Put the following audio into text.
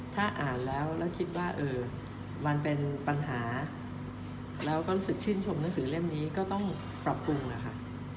ถ้าอ่านแล้วแล้วคิดว่ามันเป็นปัญหาแล้วก็รู้สึกชื่นชมหนังสือเล่มนี้ก็ต้องปรับปรุงนะคะ